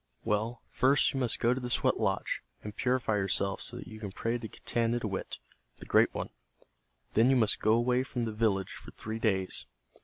Well, first you must go to the sweat lodge, and purify yourself so that you can pray to Getanittowit, the Great One. Then you must go away from the village for three days.